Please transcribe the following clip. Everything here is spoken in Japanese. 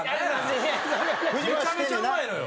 めちゃめちゃうまいのよ。